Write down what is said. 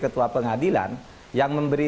ketua pengadilan yang memberi